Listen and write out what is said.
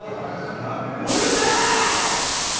うるせぇ‼